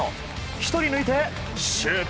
１人抜いてシュート！